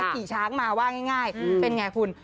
ขี่ช้างมาว่าง่ายเป็นไงคุณ